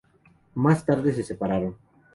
Más tarde se separaron.